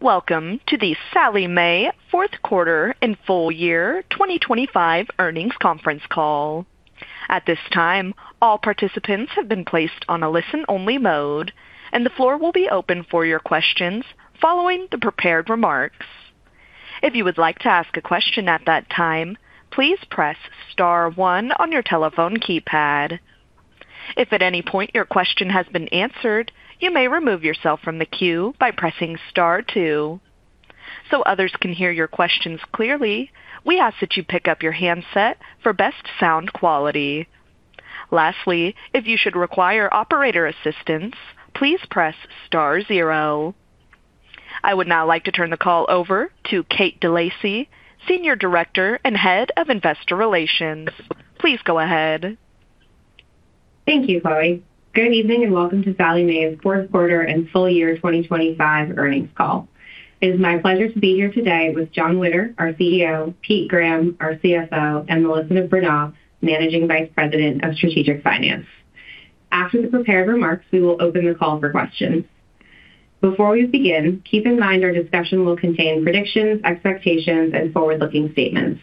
Welcome to the Sallie Mae Q4 and Full Year 2025 Earnings Conference Call. At this time, all participants have been placed on a listen-only mode, and the floor will be open for your questions following the prepared remarks. If you would like to ask a question at that time, please press star one on your telephone keypad. If at any point your question has been answered, you may remove yourself from the queue by pressing star two. So others can hear your questions clearly, we ask that you pick up your handset for best sound quality. Lastly, if you should require operator assistance, please press star zero. I would now like to turn the call over to Kate DeLacy, Senior Director and Head of Investor Relations. Please go ahead. Thank you, Chloe. Good evening and welcome to Sallie Mae's Q4 and Full Year 2025 Earnings Call. It is my pleasure to be here today with Jon Witter, our CEO; Pete Graham, our CFO; and Melissa Bronaugh, Managing Vice President of Strategic Finance. After the prepared remarks, we will open the call for questions. Before we begin, keep in mind our discussion will contain predictions, expectations, and forward-looking statements.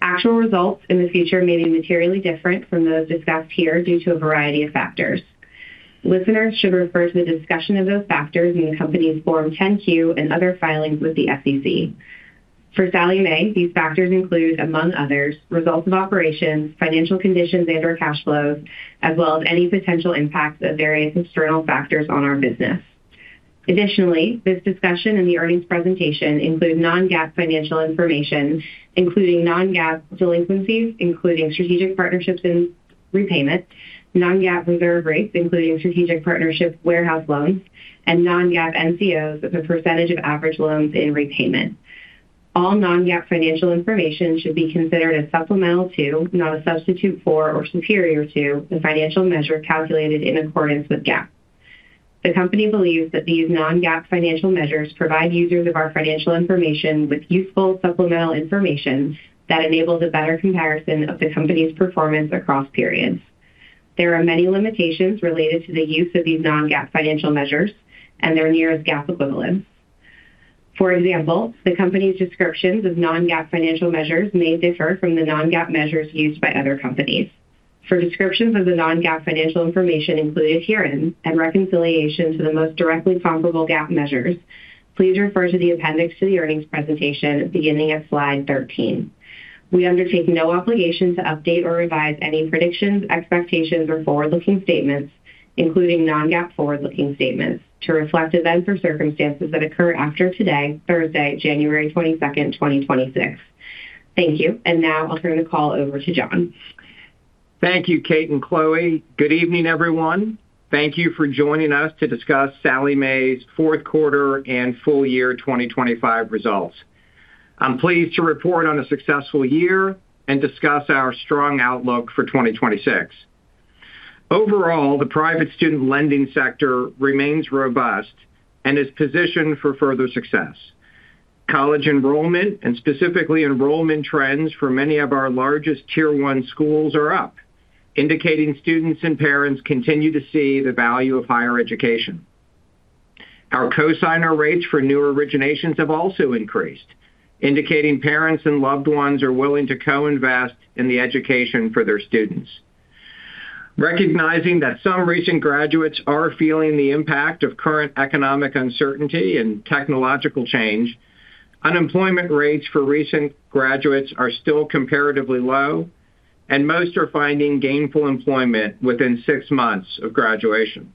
Actual results in the future may be materially different from those discussed here due to a variety of factors. Listeners should refer to the discussion of those factors in the company's Form 10-Q and other filings with the SEC. For Sallie Mae, these factors include, among others, results of operations, financial conditions and/or cash flows, as well as any potential impacts of various external factors on our business. Additionally, this discussion and the earnings presentation include non-GAAP financial information, including non-GAAP delinquencies, including strategic partnerships in repayment, non-GAAP reserve rates, including strategic partnership warehouse loans, and non-GAAP NCOs, the percentage of average loans in repayment. All non-GAAP financial information should be considered as supplemental to, not a substitute for, or superior to the financial measure calculated in accordance with GAAP. The company believes that these non-GAAP financial measures provide users of our financial information with useful supplemental information that enables a better comparison of the company's performance across periods. There are many limitations related to the use of these non-GAAP financial measures and their nearest GAAP equivalents. For example, the company's descriptions of non-GAAP financial measures may differ from the non-GAAP measures used by other companies. For descriptions of the non-GAAP financial information included herein and reconciliation to the most directly comparable GAAP measures, please refer to the appendix to the earnings presentation beginning at slide 13. We undertake no obligation to update or revise any predictions, expectations, or forward-looking statements, including non-GAAP forward-looking statements, to reflect events or circumstances that occur after today, Thursday, January 22nd, 2026. Thank you. And now I'll turn the call over to Jon. Thank you, Kate and Chloe. Good evening, everyone. Thank you for joining us to discuss Sallie Mae's Q4 and Full Year 2025 results. I'm pleased to report on a successful year and discuss our strong outlook for 2026. Overall, the private student lending sector remains robust and is positioned for further success. College enrollment, and specifically enrollment trends for many of our largest Tier 1 schools, are up, indicating students and parents continue to see the value of higher education. Our co-signer rates for new originations have also increased, indicating parents and loved ones are willing to co-invest in the education for their students. Recognizing that some recent graduates are feeling the impact of current economic uncertainty and technological change, unemployment rates for recent graduates are still comparatively low, and most are finding gainful employment within six months of graduation.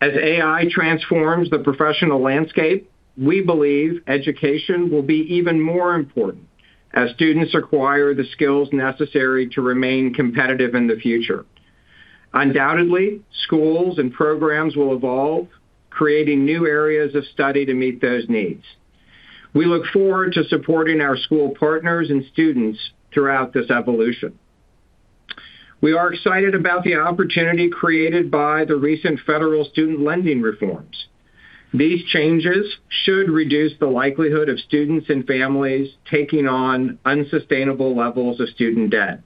As AI transforms the professional landscape, we believe education will be even more important as students acquire the skills necessary to remain competitive in the future. Undoubtedly, schools and programs will evolve, creating new areas of study to meet those needs. We look forward to supporting our school partners and students throughout this evolution. We are excited about the opportunity created by the recent federal student lending reforms. These changes should reduce the likelihood of students and families taking on unsustainable levels of student debt.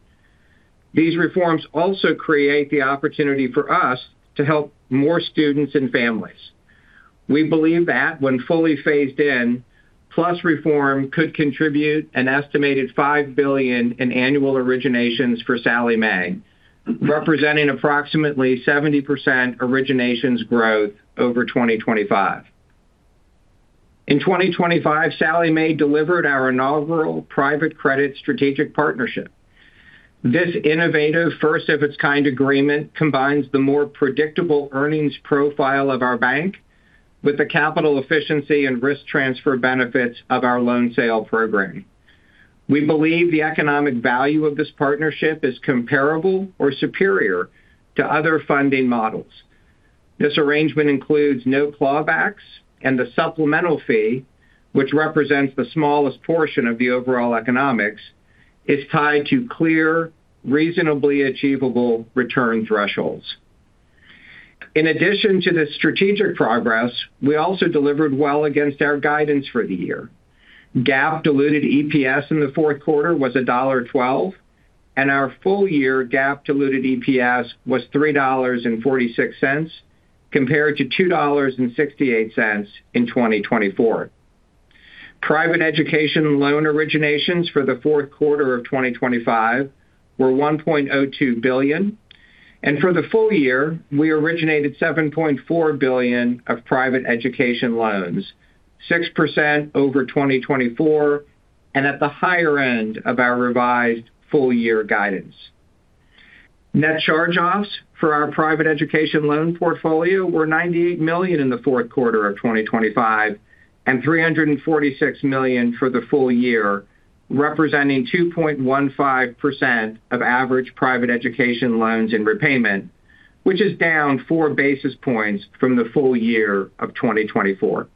These reforms also create the opportunity for us to help more students and families. We believe that when fully phased in, PLUS reform could contribute an estimated $5 billion in annual originations for Sallie Mae, representing approximately 70% originations growth over 2025. In 2025, Sallie Mae delivered our inaugural private credit strategic partnership. This innovative first-of-its-kind agreement combines the more predictable earnings profile of our bank with the capital efficiency and risk transfer benefits of our loan sale program. We believe the economic value of this partnership is comparable or superior to other funding models. This arrangement includes no clawbacks, and the supplemental fee, which represents the smallest portion of the overall economics, is tied to clear, reasonably achievable return thresholds. In addition to this strategic progress, we also delivered well against our guidance for the year. GAAP diluted EPS in the Q4 was $1.12, and our full-year GAAP diluted EPS was $3.46, compared to $2.68 in 2024. Private education loan originations for the Q4 of 2025 were $1.02 billion, and for the full year, we originated $7.4 billion of private education loans, 6% over 2024 and at the higher end of our revised full-year guidance. Net charge-offs for our private education loan portfolio were $98 million in the Q4 of 2025 and $346 million for the full year, representing 2.15% of average private education loans in repayment, which is down four basis points from the full year of 2024.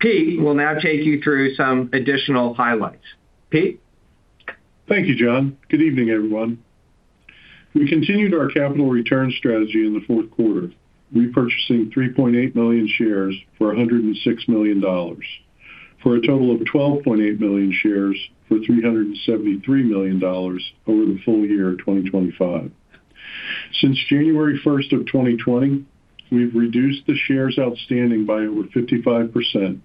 Pete will now take you through some additional highlights. Pete. Thank you, Jon. Good evening, everyone. We continued our capital return strategy in the Q4, repurchasing 3.8 million shares for $106 million, for a total of 12.8 million shares for $373 million over the full year of 2025. Since January 1st of 2020, we've reduced the shares outstanding by over 55%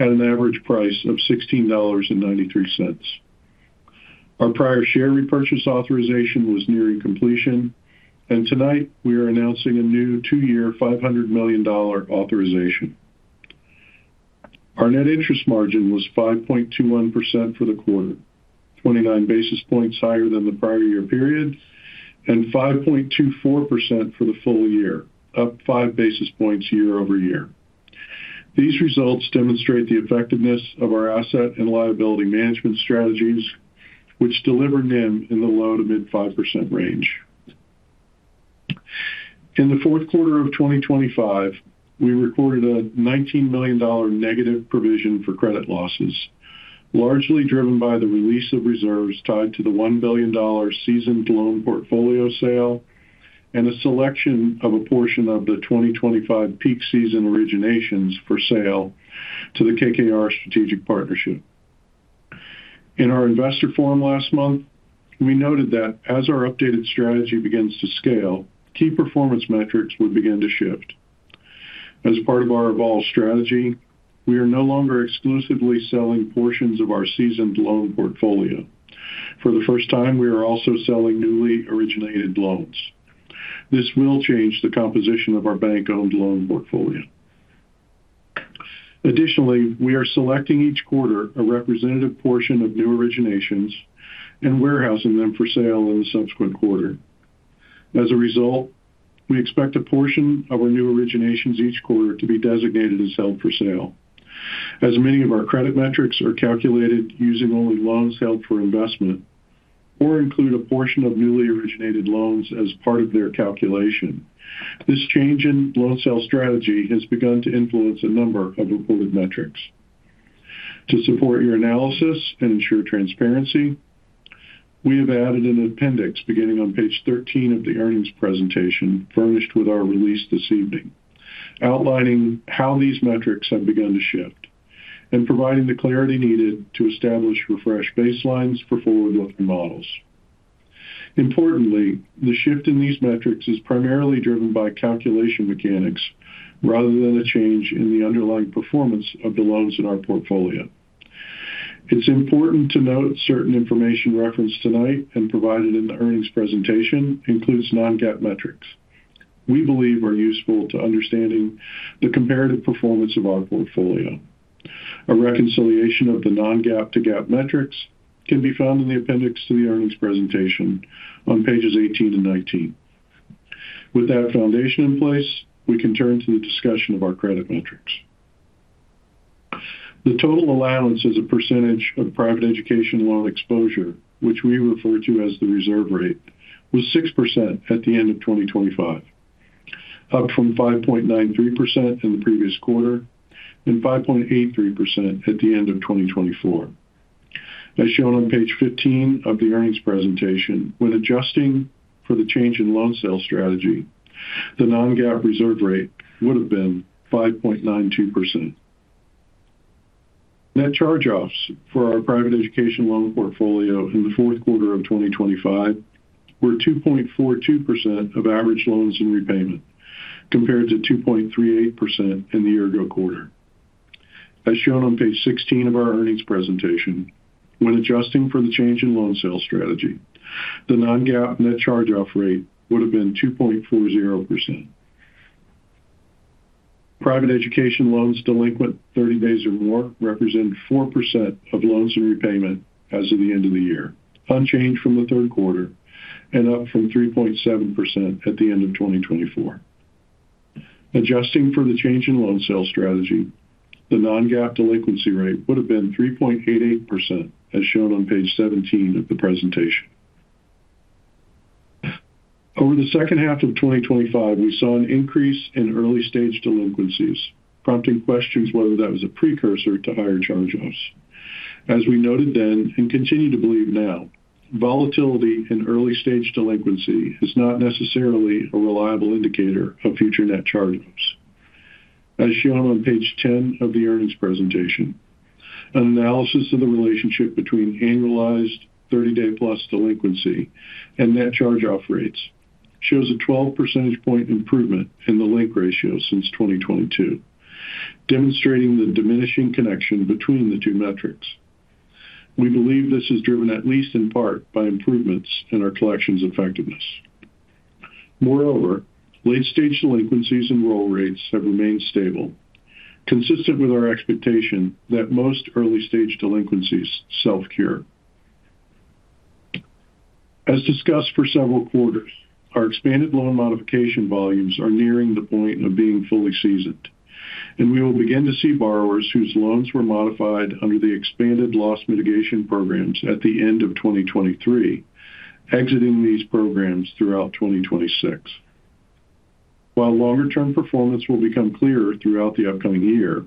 at an average price of $16.93. Our prior share repurchase authorization was nearing completion, and tonight we are announcing a new two-year $500 million authorization. Our net interest margin was 5.21% for the quarter, 29 basis points higher than the prior year period, and 5.24% for the full year, up five basis points year-over-year. These results demonstrate the effectiveness of our asset and liability management strategies, which deliver NIM in the low to mid-5% range. In the Q4 of 2025, we recorded a $19 million negative provision for credit losses, largely driven by the release of reserves tied to the $1 billion seasoned loan portfolio sale and the selection of a portion of the 2025 peak season originations for sale to the KKR Strategic Partnership. In our investor forum last month, we noted that as our updated strategy begins to scale, key performance metrics would begin to shift. As part of our evolved strategy, we are no longer exclusively selling portions of our seasoned loan portfolio. For the first time, we are also selling newly originated loans. This will change the composition of our bank-owned loan portfolio. Additionally, we are selecting each quarter a representative portion of new originations and warehousing them for sale in the subsequent quarter. As a result, we expect a portion of our new originations each quarter to be designated as held for sale. As many of our credit metrics are calculated using only loans held for investment or include a portion of newly originated loans as part of their calculation, this change in loan sale strategy has begun to influence a number of reported metrics. To support your analysis and ensure transparency, we have added an appendix beginning on page 13 of the earnings presentation furnished with our release this evening, outlining how these metrics have begun to shift and providing the clarity needed to establish refreshed baselines for forward-looking models. Importantly, the shift in these metrics is primarily driven by calculation mechanics rather than a change in the underlying performance of the loans in our portfolio. It's important to note certain information referenced tonight and provided in the earnings presentation includes non-GAAP metrics we believe are useful to understanding the comparative performance of our portfolio. A reconciliation of the non-GAAP to GAAP metrics can be found in the appendix to the earnings presentation on pages 18 and 19. With that foundation in place, we can turn to the discussion of our credit metrics. The total allowance as a percentage of private education loan exposure, which we refer to as the reserve rate, was 6% at the end of 2025, up from 5.93% in the previous quarter and 5.83% at the end of 2024. As shown on page 15 of the earnings presentation, when adjusting for the change in loan sale strategy, the non-GAAP reserve rate would have been 5.92%. Net charge-offs for our private education loan portfolio in the Q4 of 2025 were 2.42% of average loans in repayment, compared to 2.38% in the year-ago quarter. As shown on page 16 of our earnings presentation, when adjusting for the change in loan sale strategy, the non-GAAP net charge-off rate would have been 2.40%. Private education loans delinquent 30 days or more represent 4% of loans in repayment as of the end of the year, unchanged from the Q3 and up from 3.7% at the end of 2024. Adjusting for the change in loan sale strategy, the non-GAAP delinquency rate would have been 3.88%, as shown on page 17 of the presentation. Over the H2 of 2025, we saw an increase in early-stage delinquencies, prompting questions whether that was a precursor to higher charge-offs. As we noted then and continue to believe now, volatility in early-stage delinquency is not necessarily a reliable indicator of future net charge-offs. As shown on page 10 of the earnings presentation, an analysis of the relationship between annualized 30-day plus delinquency and net charge-off rates shows a 12 percentage point improvement in the link ratio since 2022, demonstrating the diminishing connection between the two metrics. We believe this is driven at least in part by improvements in our collections effectiveness. Moreover, late-stage delinquencies and roll rates have remained stable, consistent with our expectation that most early-stage delinquencies self-cure. As discussed for several quarters, our expanded loan modification volumes are nearing the point of being fully seasoned, and we will begin to see borrowers whose loans were modified under the expanded loss mitigation programs at the end of 2023 exiting these programs throughout 2026. While longer-term performance will become clearer throughout the upcoming year,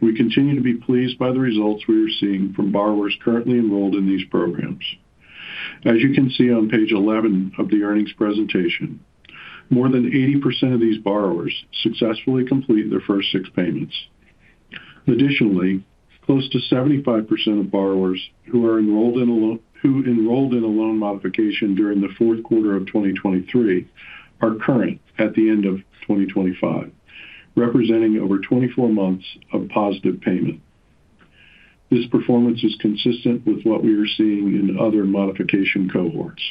we continue to be pleased by the results we are seeing from borrowers currently enrolled in these programs. As you can see on page 11 of the earnings presentation, more than 80% of these borrowers successfully complete their first six payments. Additionally, close to 75% of borrowers who are enrolled in a loan modification during the Q4 of 2023 are current at the end of 2025, representing over 24 months of positive payment. This performance is consistent with what we are seeing in other modification cohorts.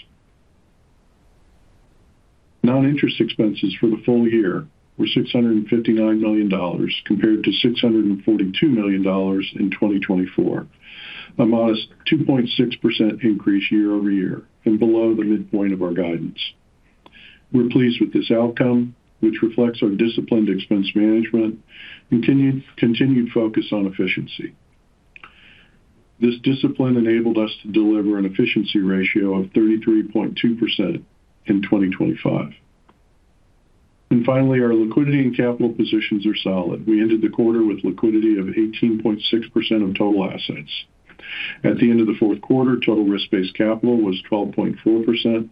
Non-interest expenses for the full year were $659 million, compared to $642 million in 2024, a modest 2.6% increase year-over-year and below the midpoint of our guidance. We're pleased with this outcome, which reflects our disciplined expense management and continued focus on efficiency. This discipline enabled us to deliver an efficiency ratio of 33.2% in 2025. And finally, our liquidity and capital positions are solid. We ended the quarter with liquidity of 18.6% of total assets. At the end of the Q4, total risk-based capital was 12.4%,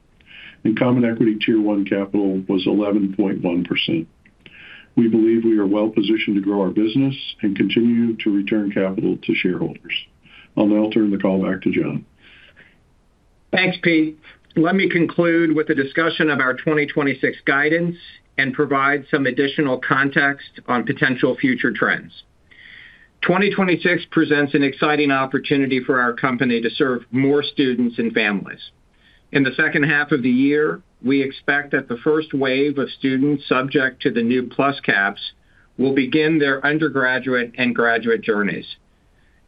and Common Equity Tier 1 capital was 11.1%. We believe we are well positioned to grow our business and continue to return capital to shareholders. I'll now turn the call back to Jon. Thanks, Pete. Let me conclude with a discussion of our 2026 guidance and provide some additional context on potential future trends. 2026 presents an exciting opportunity for our company to serve more students and families. In the H2 of the year, we expect that the first wave of students subject to the new PLUS caps will begin their undergraduate and graduate journeys.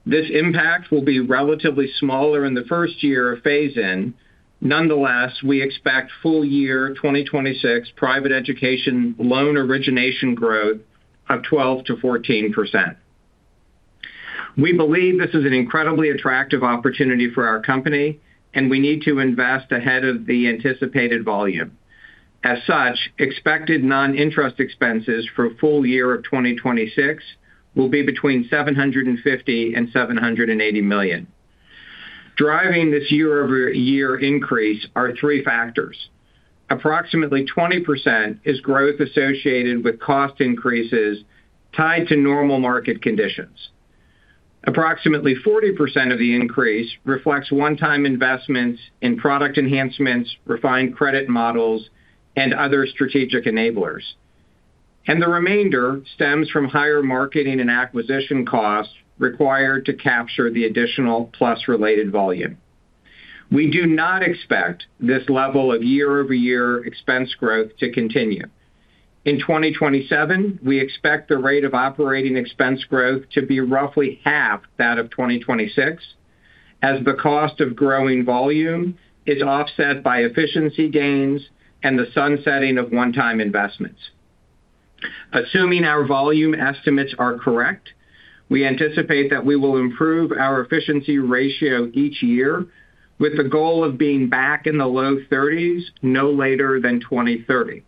This impact will be relatively smaller in the first year of phase-in. Nonetheless, we expect full-year 2026 private education loan origination growth of 12%-14%. We believe this is an incredibly attractive opportunity for our company, and we need to invest ahead of the anticipated volume. As such, expected non-interest expenses for full year of 2026 will be between $750 and $780 million. Driving this year-over-year increase are three factors. Approximately 20% is growth associated with cost increases tied to normal market conditions. Approximately 40% of the increase reflects one-time investments in product enhancements, refined credit models, and other strategic enablers, and the remainder stems from higher marketing and acquisition costs required to capture the additional PLUS-related volume. We do not expect this level of year-over-year expense growth to continue. In 2027, we expect the rate of operating expense growth to be roughly half that of 2026, as the cost of growing volume is offset by efficiency gains and the sunsetting of one-time investments. Assuming our volume estimates are correct, we anticipate that we will improve our efficiency ratio each year with the goal of being back in the low 30s no later than 2030.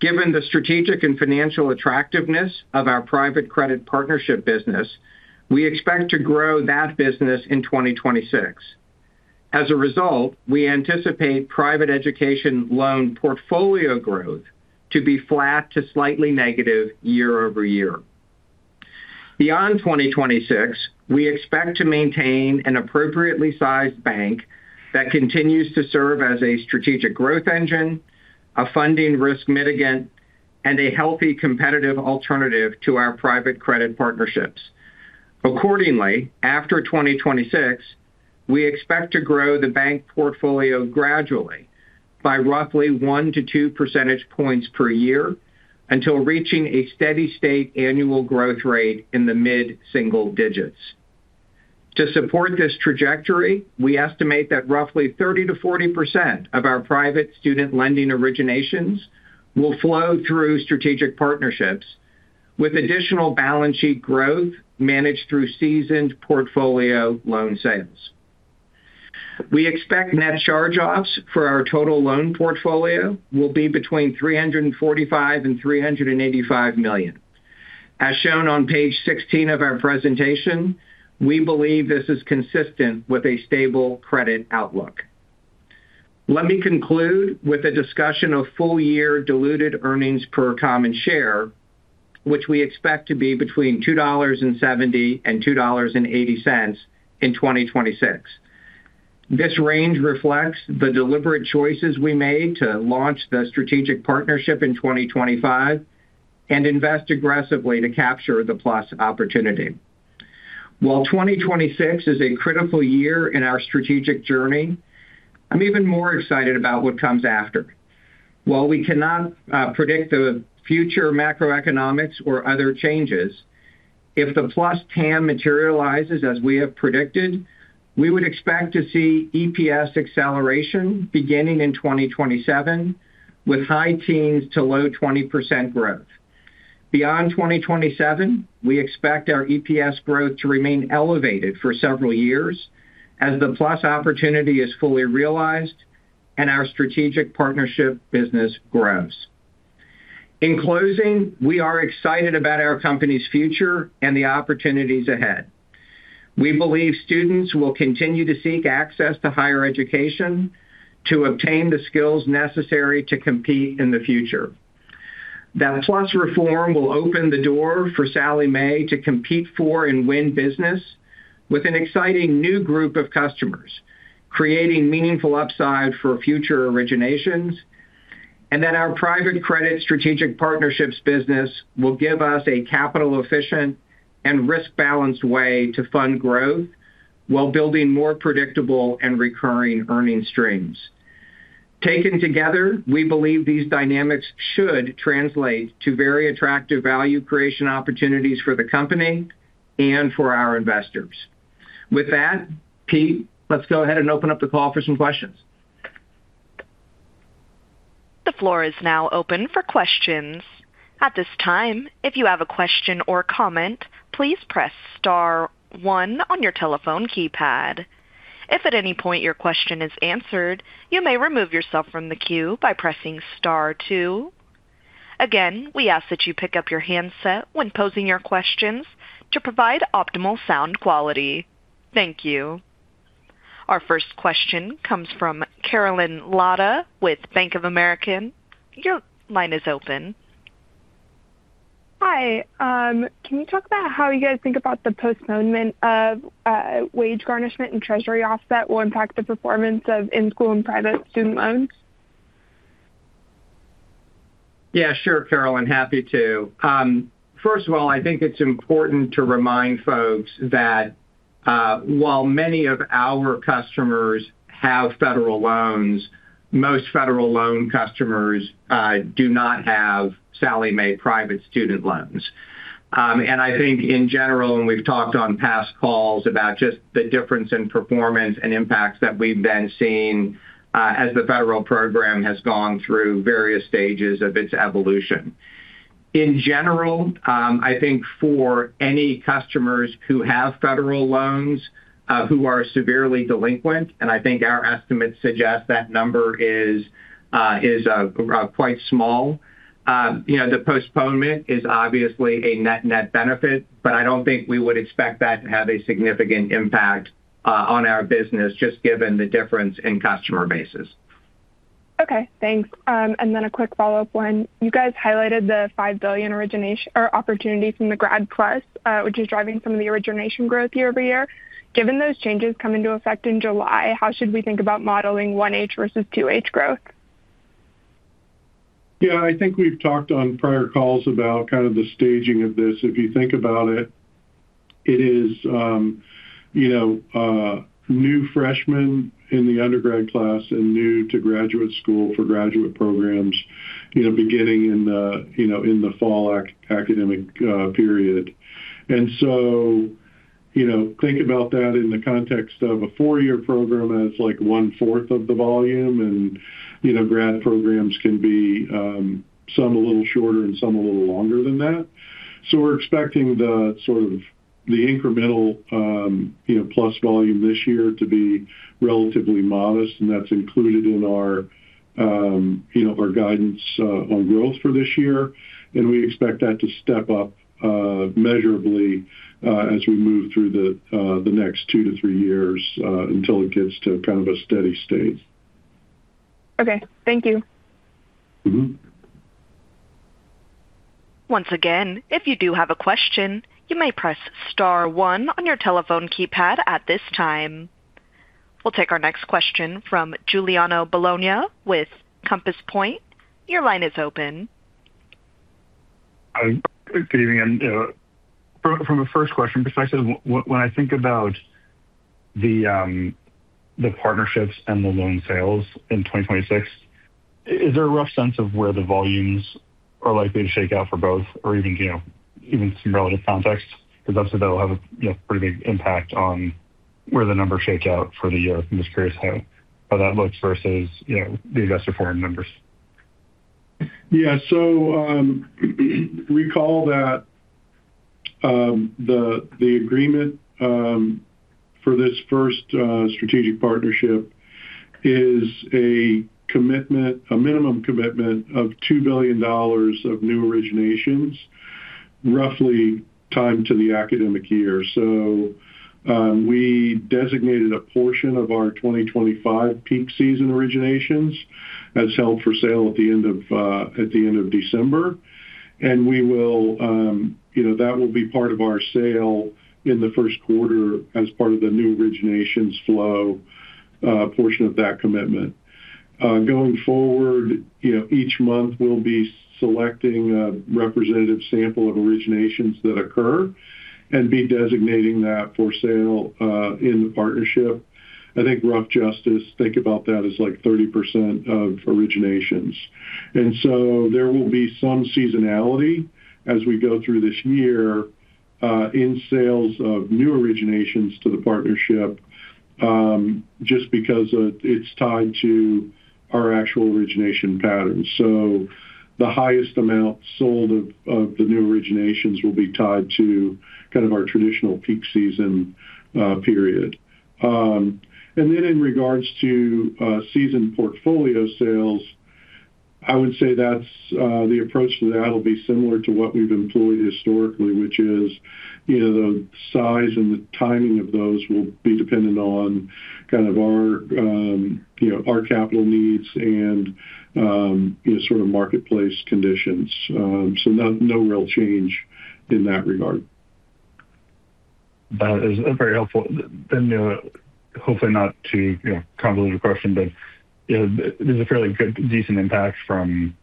Given the strategic and financial attractiveness of our private credit partnership business, we expect to grow that business in 2026. As a result, we anticipate private education loan portfolio growth to be flat to slightly negative year-over-year. Beyond 2026, we expect to maintain an appropriately sized bank that continues to serve as a strategic growth engine, a funding risk mitigant, and a healthy competitive alternative to our private credit partnerships. Accordingly, after 2026, we expect to grow the bank portfolio gradually by roughly one to two percentage points per year until reaching a steady-state annual growth rate in the mid-single digits. To support this trajectory, we estimate that roughly 30%-40% of our private student lending originations will flow through strategic partnerships with additional balance sheet growth managed through seasoned portfolio loan sales. We expect net charge-offs for our total loan portfolio will be between $345 and $385 million. As shown on page 16 of our presentation, we believe this is consistent with a stable credit outlook. Let me conclude with a discussion of full-year diluted earnings per common share, which we expect to be between $2.70 and $2.80 in 2026. This range reflects the deliberate choices we made to launch the strategic partnership in 2025 and invest aggressively to capture the PLUS opportunity. While 2026 is a critical year in our strategic journey, I'm even more excited about what comes after. While we cannot predict the future macroeconomics or other changes, if the PLUS TAM materializes as we have predicted, we would expect to see EPS acceleration beginning in 2027 with high teens to low 20% growth. Beyond 2027, we expect our EPS growth to remain elevated for several years as the PLUS opportunity is fully realized and our strategic partnership business grows. In closing, we are excited about our company's future and the opportunities ahead. We believe students will continue to seek access to higher education to obtain the skills necessary to compete in the future. That PLUS reform will open the door for Sallie Mae to compete for and win business with an exciting new group of customers, creating meaningful upside for future originations, and that our private credit strategic partnerships business will give us a capital-efficient and risk-balanced way to fund growth while building more predictable and recurring earnings streams. Taken together, we believe these dynamics should translate to very attractive value creation opportunities for the company and for our investors. With that, Pete, let's go ahead and open up the call for some questions. The floor is now open for questions. At this time, if you have a question or comment, please press star one on your telephone keypad. If at any point your question is answered, you may remove yourself from the queue by pressing star two. Again, we ask that you pick up your handset when posing your questions to provide optimal sound quality. Thank you. Our first question comes from Caroline Latta with Bank of America. Your line is open. Hi. Can you talk about how you guys think about the postponement of wage garnishment and Treasury offset will impact the performance of in-school and private student loans? Yeah, sure, Carolyn. Happy to. First of all, I think it's important to remind folks that while many of our customers have federal loans, most federal loan customers do not have Sallie Mae private student loans. I think in general, and we've talked on past calls about just the difference in performance and impacts that we've then seen as the federal program has gone through various stages of its evolution. In general, I think for any customers who have federal loans who are severely delinquent, and I think our estimates suggest that number is quite small, the postponement is obviously a net-net benefit, but I don't think we would expect that to have a significant impact on our business just given the difference in customer bases. Okay. Thanks. And then a quick follow-up one. You guys highlighted the $5 billion origination or opportunity from the Grad PLUS, which is driving some of the origination growth year-over-year. Given those changes coming into effect in July, how should we think about modeling 1H versus 2H growth? Yeah. I think we've talked on prior calls about kind of the staging of this. If you think about it, it is new freshmen in the undergrad class and new to graduate school for graduate programs beginning in the fall academic period. And so think about that in the context of a four-year program as like one-fourth of the volume, and grad programs can be some a little shorter and some a little longer than that. So we're expecting the sort of the incremental plus volume this year to be relatively modest, and that's included in our guidance on growth for this year. And we expect that to step up measurably as we move through the next two to three years until it gets to kind of a steady state. Okay. Thank you. Once again, if you do have a question, you may press star one on your telephone keypad at this time. We'll take our next question from Giuliano Bologna with Compass Point. Your line is open. Good evening. From the first question perspective, when I think about the partnerships and the loan sales in 2026, is there a rough sense of where the volumes are likely to shake out for both or even some relative context? Because I've said that will have a pretty big impact on where the numbers shake out for the year. I'm just curious how that looks versus the investor forum numbers. Yeah. So recall that the agreement for this first strategic partnership is a commitment, a minimum commitment of $2 billion of new originations roughly timed to the academic year. So we designated a portion of our 2025 peak season originations as held for sale at the end of December. And that will be part of our sale in the Q1 as part of the new originations flow portion of that commitment. Going forward, each month we'll be selecting a representative sample of originations that occur and be designating that for sale in the partnership. I think rough justice, think about that as like 30% of originations. And so there will be some seasonality as we go through this year in sales of new originations to the partnership just because it's tied to our actual origination patterns. So the highest amount sold of the new originations will be tied to kind of our traditional peak season period. And then in regards to season portfolio sales, I would say that the approach to that will be similar to what we've employed historically, which is the size and the timing of those will be dependent on kind of our capital needs and sort of marketplace conditions. So no real change in that regard. That is very helpful. Then hopefully not to convolute your question, but there's a fairly good decent impact from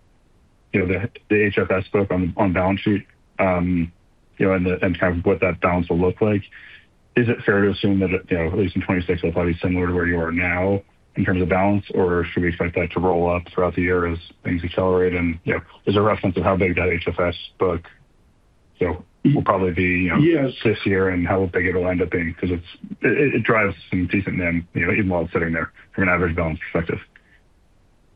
the HFS book on balance sheet and kind of what that balance will look like. Is it fair to assume that at least in 2026 it'll probably be similar to where you are now in terms of balance, or should we expect that to roll up throughout the year as things accelerate? And is there a rough sense of how big that HFS book will probably be this year and how big it will end up being? Because it drives some decent NIM, even while it's sitting there from an average balance perspective.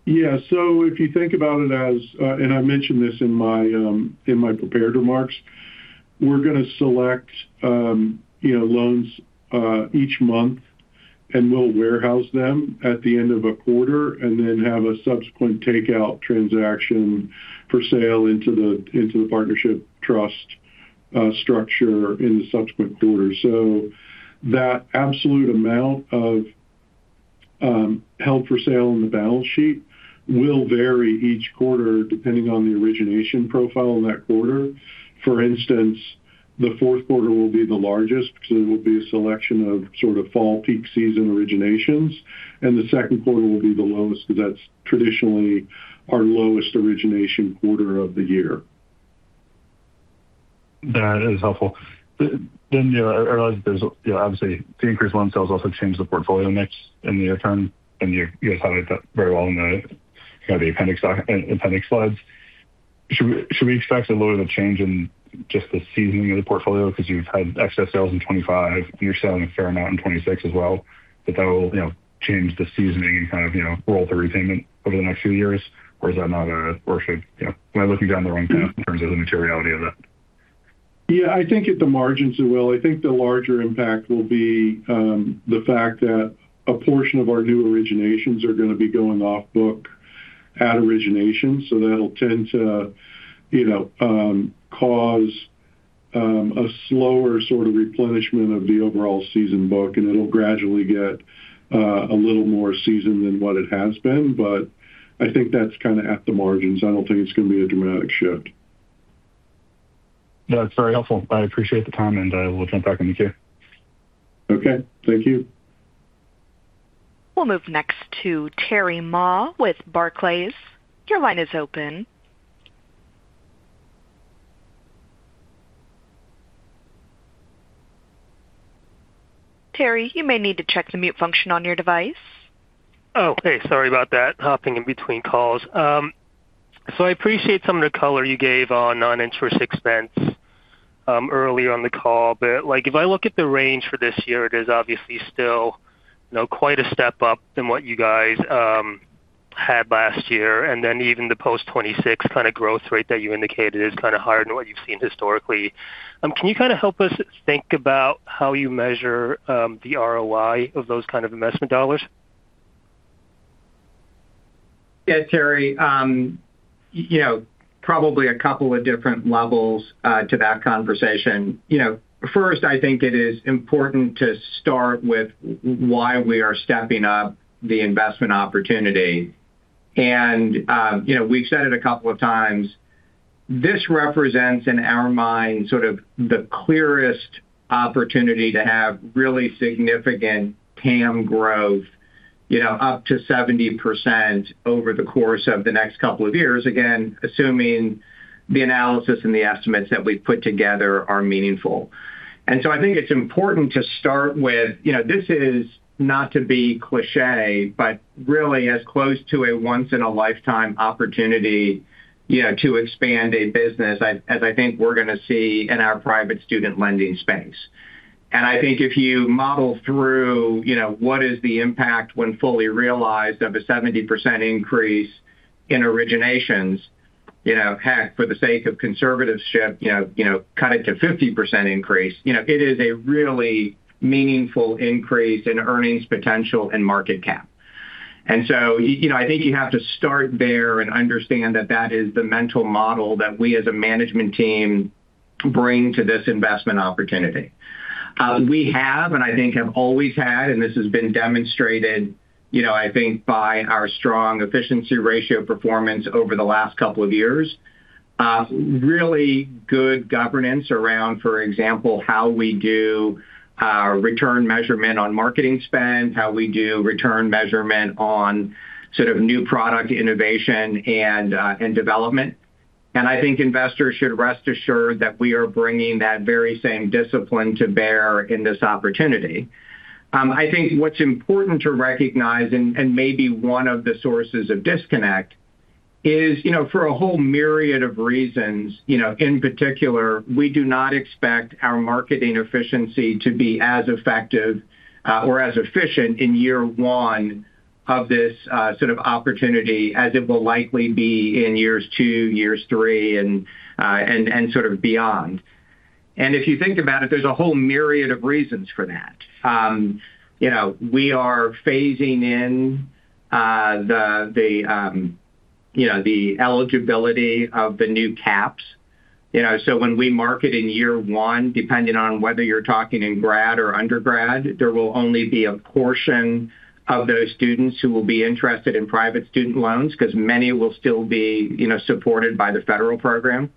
Yeah. So if you think about it as, and I mentioned this in my prepared remarks, we're going to select loans each month, and we'll warehouse them at the end of a quarter and then have a subsequent takeout transaction for sale into the partnership trust structure in the subsequent quarter. So that absolute amount of held for sale in the balance sheet will vary each quarter depending on the origination profile in that quarter. For instance, the Q4 will be the largest because it will be a selection of sort of fall peak season originations, and the Q2 will be the lowest because that's traditionally our lowest origination quarter of the year. That is helpful. Then I realize that there's obviously the increased loan sales also changed the portfolio mix in the year term, and you guys highlight that very well in the appendix slides. Should we expect a little bit of change in just the seasoning of the portfolio because you've had excess sales in 2025, and you're selling a fair amount in 2026 as well, that will change the seasoning and kind of roll through repayment over the next few years? Or is that not a, or should I be looking down the wrong path in terms of the materiality of that? Yeah. I think at the margins it will. I think the larger impact will be the fact that a portion of our new originations are going to be going off-book at origination. So that'll tend to cause a slower sort of replenishment of the overall seasoned book, and it'll gradually get a little more seasoned than what it has been. But I think that's kind of at the margins. I don't think it's going to be a dramatic shift. That's very helpful. I appreciate the time, and I will jump back in the queue. Okay. Thank you. We'll move next to Terry Ma with Barclays. Your line is open. Terry, you may need to check the mute function on your device. Okay. Sorry about that. Hopping in between calls. So I appreciate some of the color you gave on non-interest expense earlier on the call, but if I look at the range for this year, it is obviously still quite a step up than what you guys had last year. And then even the post-2026 kind of growth rate that you indicated is kind of higher than what you've seen historically. Can you kind of help us think about how you measure the ROI of those kind of investment dollars? Yeah, Terry, probably a couple of different levels to that conversation. First, I think it is important to start with why we are stepping up the investment opportunity. And we've said it a couple of times. This represents in our mind sort of the clearest opportunity to have really significant TAM growth up to 70% over the course of the next couple of years, again, assuming the analysis and the estimates that we've put together are meaningful. And so I think it's important to start with, this is not to be cliché, but really as close to a once-in-a-lifetime opportunity to expand a business as I think we're going to see in our private student lending space. I think if you model through what is the impact when fully realized of a 70% increase in originations, heck, for the sake of conservatism, cut it to 50% increase. It is a really meaningful increase in earnings potential and market cap. I think you have to start there and understand that that is the mental model that we as a management team bring to this investment opportunity. We have, and I think have always had, and this has been demonstrated, I think, by our strong efficiency ratio performance over the last couple of years. Really good governance around, for example, how we do return measurement on marketing spend, how we do return measurement on sort of new product innovation and development. I think investors should rest assured that we are bringing that very same discipline to bear in this opportunity. I think what's important to recognize and maybe one of the sources of disconnect is for a whole myriad of reasons. In particular, we do not expect our marketing efficiency to be as effective or as efficient in year one of this sort of opportunity as it will likely be in years two, years three, and sort of beyond. And if you think about it, there's a whole myriad of reasons for that. We are phasing in the eligibility of the new caps. So when we market in year one, depending on whether you're talking in grad or undergrad, there will only be a portion of those students who will be interested in private student loans because many will still be supported by the federal program.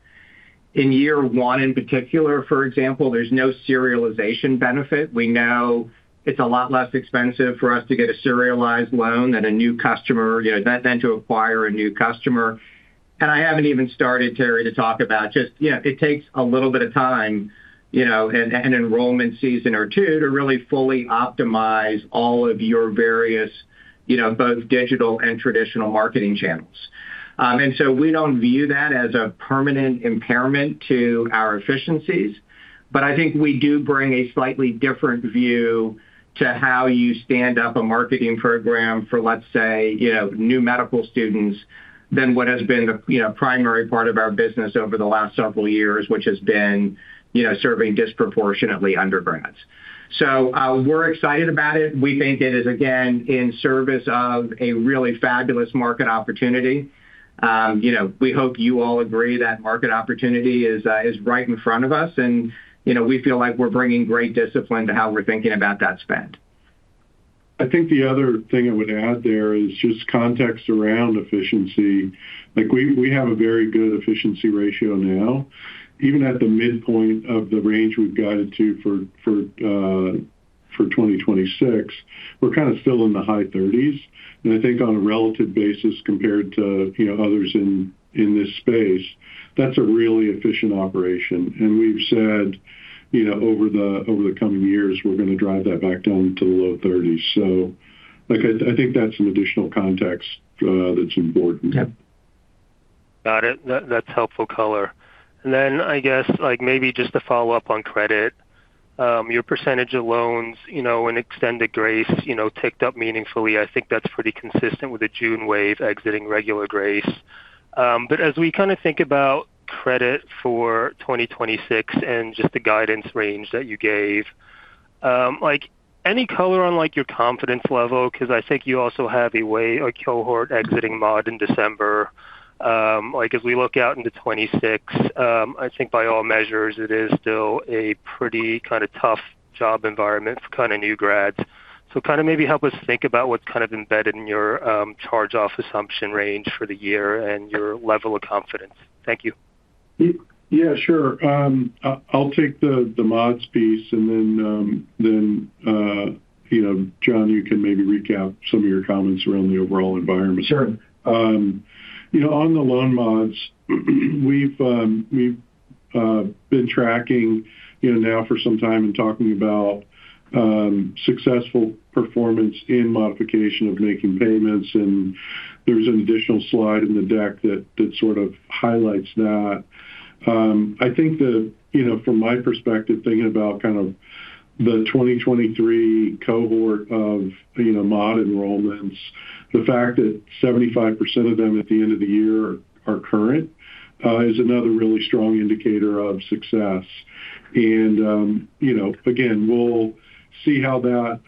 In year one in particular, for example, there's no serialization benefit. We know it's a lot less expensive for us to get a serialized loan than a new customer, than to acquire a new customer. And I haven't even started, Terry, to talk about just it takes a little bit of time and enrollment season or two to really fully optimize all of your various both digital and traditional marketing channels. And so we don't view that as a permanent impairment to our efficiencies, but I think we do bring a slightly different view to how you stand up a marketing program for, let's say, new medical students than what has been the primary part of our business over the last several years, which has been serving disproportionately undergrads. So we're excited about it. We think it is, again, in service of a really fabulous market opportunity. We hope you all agree that market opportunity is right in front of us, and we feel like we're bringing great discipline to how we're thinking about that spend. I think the other thing I would add there is just context around efficiency. We have a very good efficiency ratio now. Even at the midpoint of the range we've guided to for 2026, we're kind of still in the high 30s. And I think on a relative basis compared to others in this space, that's a really efficient operation. And we've said over the coming years, we're going to drive that back down to the low 30s. So I think that's some additional context that's important. Got it. That's helpful color. And then I guess maybe just to follow up on credit, your percentage of loans and extended grace ticked up meaningfully. I think that's pretty consistent with the June wave exiting regular grace. But as we kind of think about credit for 2026 and just the guidance range that you gave, any color on your confidence level? Because I think you also have a cohort exiting mod in December. As we look out into 2026, I think by all measures, it is still a pretty kind of tough job environment for kind of new grads. So kind of maybe help us think about what's kind of embedded in your charge-off assumption range for the year and your level of confidence. Thank you. Yeah, sure. I'll take the mods piece, and then Jon, you can maybe recount some of your comments around the overall environment. Sure. On the loan mods, we've been tracking now for some time and talking about successful performance in modification of making payments, and there's an additional slide in the deck that sort of highlights that. I think from my perspective, thinking about kind of the 2023 cohort of mod enrollments, the fact that 75% of them at the end of the year are current is another really strong indicator of success, and again, we'll see how that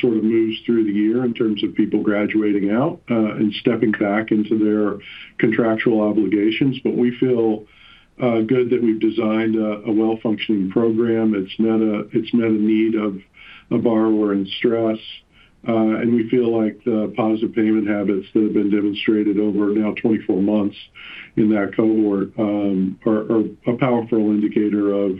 sort of moves through the year in terms of people graduating out and stepping back into their contractual obligations, but we feel good that we've designed a well-functioning program. It's met a need of a borrower in stress, and we feel like the positive payment habits that have been demonstrated over now 24 months in that cohort are a powerful indicator of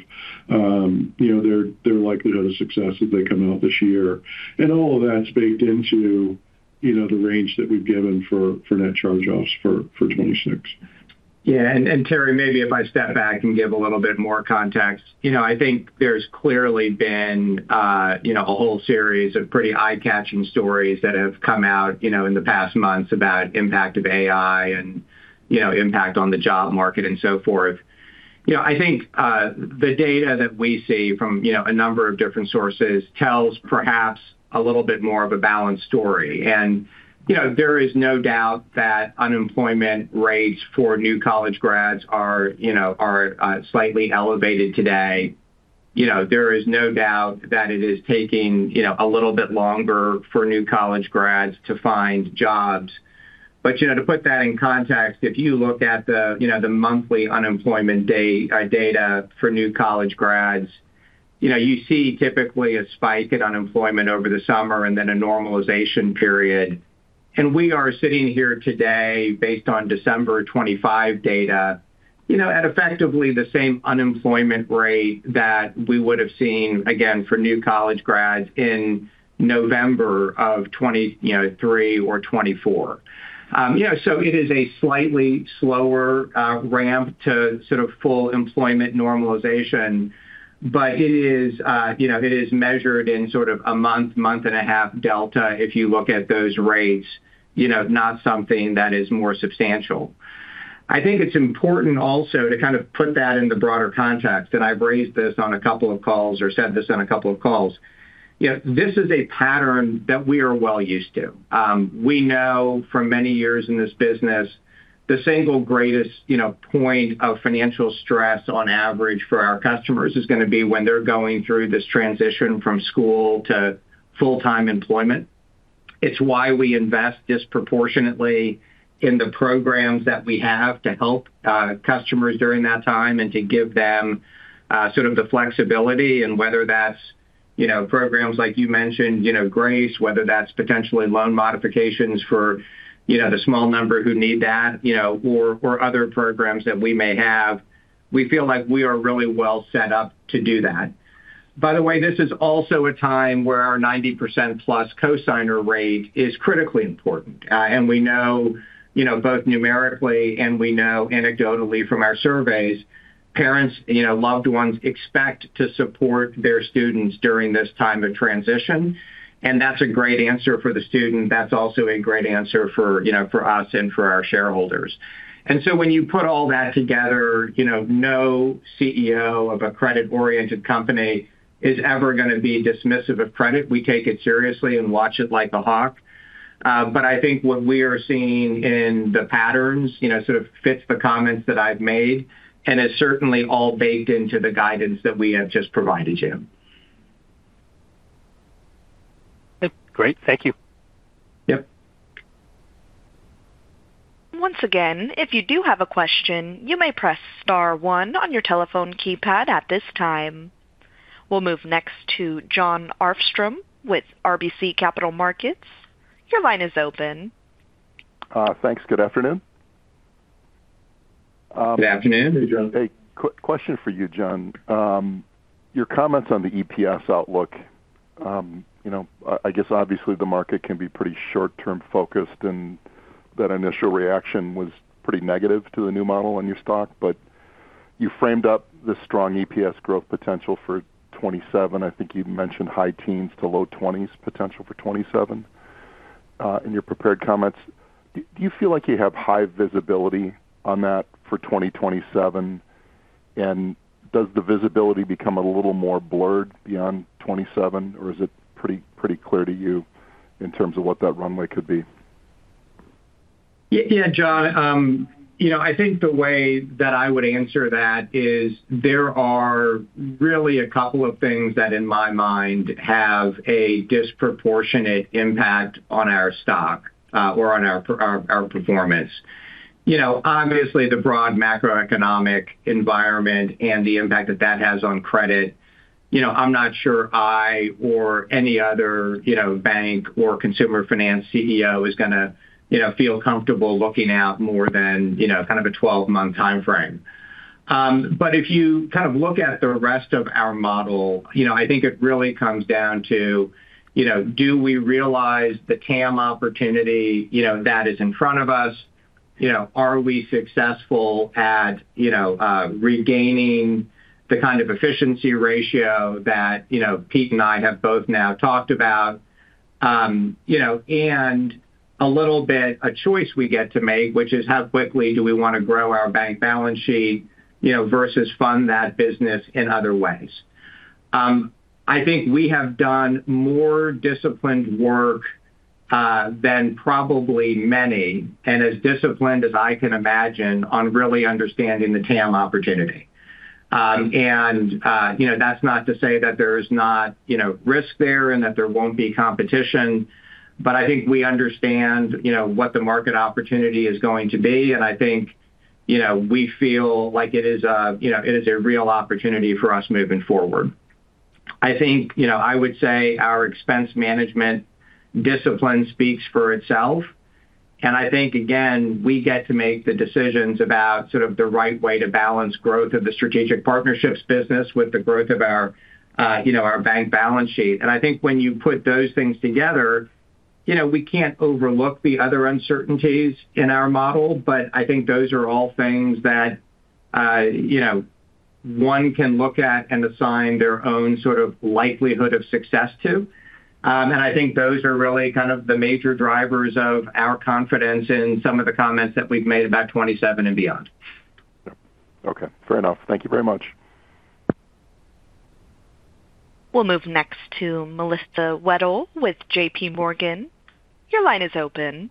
their likelihood of success as they come out this year. All of that's baked into the range that we've given for net charge-offs for 2026. Yeah. And Terry, maybe if I step back and give a little bit more context, I think there's clearly been a whole series of pretty eye-catching stories that have come out in the past months about impact of AI and impact on the job market and so forth. I think the data that we see from a number of different sources tells perhaps a little bit more of a balanced story. And there is no doubt that unemployment rates for new college grads are slightly elevated today. There is no doubt that it is taking a little bit longer for new college grads to find jobs. But to put that in context, if you look at the monthly unemployment data for new college grads, you see typically a spike in unemployment over the summer and then a normalization period. We are sitting here today based on December 2025 data at effectively the same unemployment rate that we would have seen, again, for new college grads in November of 2023 or 2024. It is a slightly slower ramp to sort of full employment normalization, but it is measured in sort of a month, month and a half delta if you look at those rates, not something that is more substantial. I think it's important also to kind of put that in the broader context. I've raised this on a couple of calls or said this on a couple of calls. This is a pattern that we are well used to. We know for many years in this business, the single greatest point of financial stress on average for our customers is going to be when they're going through this transition from school to full-time employment. It's why we invest disproportionately in the programs that we have to help customers during that time and to give them sort of the flexibility. And whether that's programs like you mentioned, grace, whether that's potentially loan modifications for the small number who need that, or other programs that we may have, we feel like we are really well set up to do that. By the way, this is also a time where our 90%+ co-signer rate is critically important. And we know both numerically and we know anecdotally from our surveys, parents, loved ones expect to support their students during this time of transition. And that's a great answer for the student. That's also a great answer for us and for our shareholders. And so when you put all that together, no CEO of a credit-oriented company is ever going to be dismissive of credit. We take it seriously and watch it like a hawk. But I think what we are seeing in the patterns sort of fits the comments that I've made and is certainly all baked into the guidance that we have just provided you. Great. Thank you. Yep. Once again, if you do have a question, you may press star one on your telephone keypad at this time. We'll move next to Jon Arfstrom with RBC Capital Markets. Your line is open. Thanks. Good afternoon. Good afternoon. Hey, Jon. A quick question for you, Jon. Your comments on the EPS outlook, I guess obviously the market can be pretty short-term focused and that initial reaction was pretty negative to the new model on your stock. But you framed up the strong EPS growth potential for 2027. I think you mentioned high teens to low 20s potential for 2027 in your prepared comments. Do you feel like you have high visibility on that for 2027? And does the visibility become a little more blurred beyond 2027, or is it pretty clear to you in terms of what that runway could be? Yeah, Jon, I think the way that I would answer that is there are really a couple of things that in my mind have a disproportionate impact on our stock or on our performance. Obviously, the broad macroeconomic environment and the impact that that has on credit. I'm not sure I or any other bank or consumer finance CEO is going to feel comfortable looking at more than kind of a 12-month time frame. But if you kind of look at the rest of our model, I think it really comes down to, do we realize the TAM opportunity that is in front of us? Are we successful at regaining the kind of efficiency ratio that Pete and I have both now talked about? And a little bit a choice we get to make, which is how quickly do we want to grow our bank balance sheet versus fund that business in other ways. I think we have done more disciplined work than probably many and as disciplined as I can imagine on really understanding the TAM opportunity. And that's not to say that there is not risk there and that there won't be competition, but I think we understand what the market opportunity is going to be. And I think we feel like it is a real opportunity for us moving forward. I think I would say our expense management discipline speaks for itself. And I think, again, we get to make the decisions about sort of the right way to balance growth of the strategic partnerships business with the growth of our bank balance sheet. And I think when you put those things together, we can't overlook the other uncertainties in our model, but I think those are all things that one can look at and assign their own sort of likelihood of success to. And I think those are really kind of the major drivers of our confidence in some of the comments that we've made about 2027 and beyond. Okay. Fair enough. Thank you very much. We'll move next to Melissa Wedel with JPMorgan. Your line is open.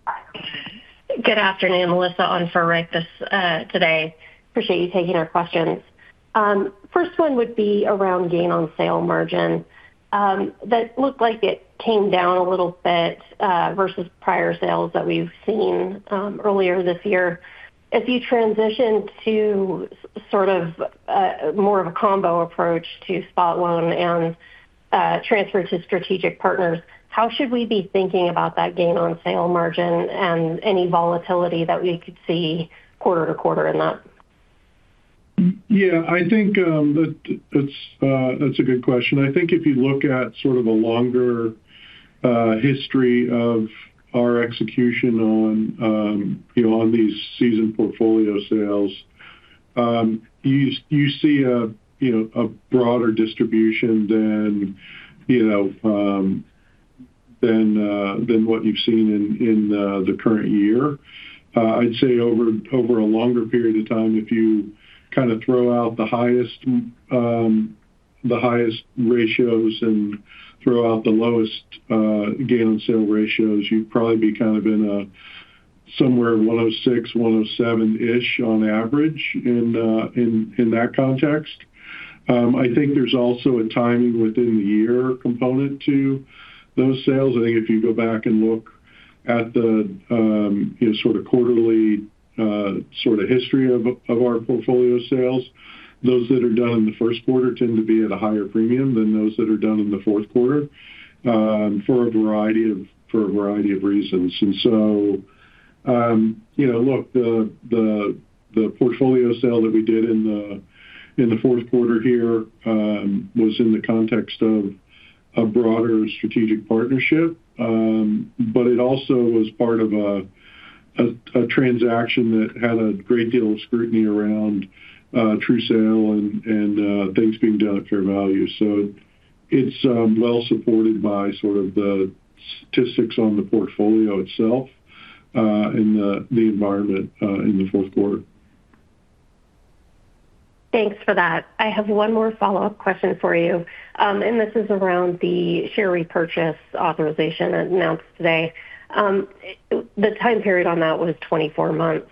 Good afternoon. Melissa on for Rick today. Appreciate you taking our questions. First one would be around gain on sale margin. That looked like it came down a little bit versus prior sales that we've seen earlier this year. If you transition to sort of more of a combo approach to spot loan and transfer to strategic partners, how should we be thinking about that gain on sale margin and any volatility that we could see quarter to quarter in that? Yeah. I think that's a good question. I think if you look at sort of a longer history of our execution on these seasoned portfolio sales, you see a broader distribution than what you've seen in the current year. I'd say over a longer period of time, if you kind of throw out the highest ratios and throw out the lowest gain on sale ratios, you'd probably be kind of in somewhere 106, 107-ish on average in that context. I think there's also a timing within the year component to those sales. I think if you go back and look at the sort of quarterly sort of history of our portfolio sales, those that are done in the Q1 tend to be at a higher premium than those that are done in the Q4 for a variety of reasons. And so, look, the portfolio sale that we did in the Q4 here was in the context of a broader strategic partnership, but it also was part of a transaction that had a great deal of scrutiny around true sale and things being done at fair value. So it's well supported by sort of the statistics on the portfolio itself and the environment in the Q4. Thanks for that. I have one more follow-up question for you, and this is around the share repurchase authorization announced today. The time period on that was 24 months.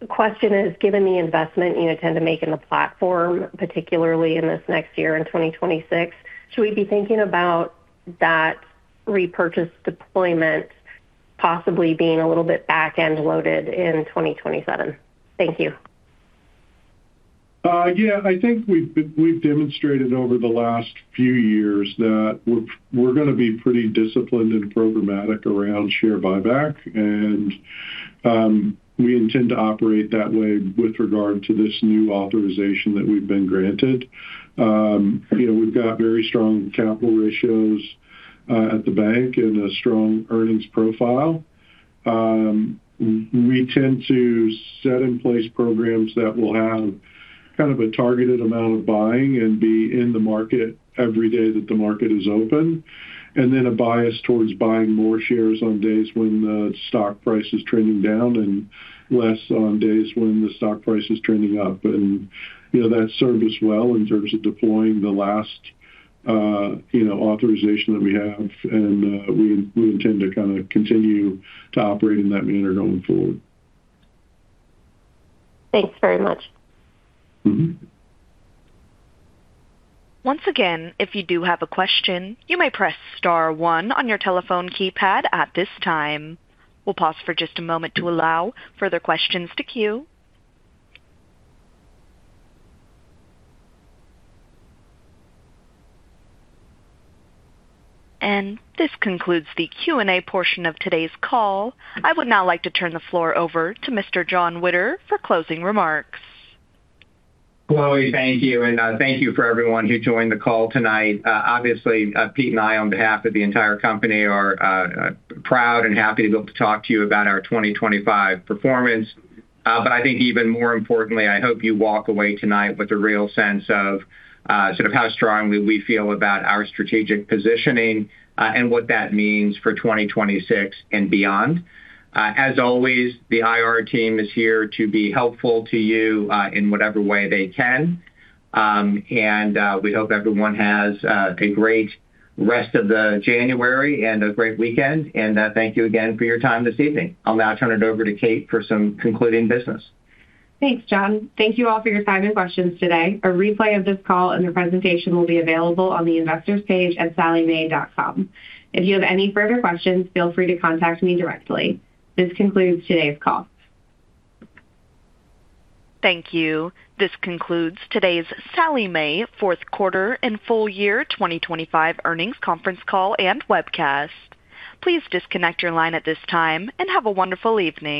The question is, given the investment you intend to make in the platform, particularly in this next year in 2026, should we be thinking about that repurchase deployment possibly being a little bit back-end loaded in 2027? Thank you. Yeah. I think we've demonstrated over the last few years that we're going to be pretty disciplined and programmatic around share buyback. And we intend to operate that way with regard to this new authorization that we've been granted. We've got very strong capital ratios at the bank and a strong earnings profile. We tend to set in place programs that will have kind of a targeted amount of buying and be in the market every day that the market is open, and then a bias towards buying more shares on days when the stock price is trending down and less on days when the stock price is trending up. And that served us well in terms of deploying the last authorization that we have. And we intend to kind of continue to operate in that manner going forward. Thanks very much. Once again, if you do have a question, you may press star one on your telephone keypad at this time. We'll pause for just a moment to allow further questions to queue. And this concludes the Q&A portion of today's call. I would now like to turn the floor over to Mr. Jon Witter for closing remarks. Chloe, thank you. And thank you for everyone who joined the call tonight. Obviously, Pete and I on behalf of the entire company are proud and happy to be able to talk to you about our 2025 performance. But I think even more importantly, I hope you walk away tonight with a real sense of sort of how strongly we feel about our strategic positioning and what that means for 2026 and beyond. As always, the IR team is here to be helpful to you in whatever way they can. And we hope everyone has a great rest of the January and a great weekend. And thank you again for your time this evening. I'll now turn it over to Kate for some concluding business. Thanks, Jon. Thank you all for your time and questions today. A replay of this call and the presentation will be available on the investors page at SallieMae.com. If you have any further questions, feel free to contact me directly. This concludes today's call. Thank you. This concludes today's Sallie Mae Q4 and full year 2025 earnings conference call and webcast. Please disconnect your line at this time and have a wonderful evening.